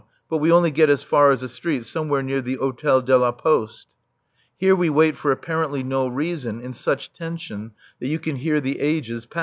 But we only get as far as a street somewhere near the Hôtel de la Poste. Here we wait for apparently no reason in such tension that you can hear the ages pass.